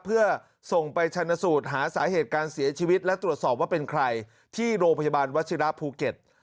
เพื่อส่งไปชนสูตรหาสาเหตุการเสียชีวิตและตรวจสอบว่าเป็นใครที่โรงพยาบาลวัชิระภูเก็ต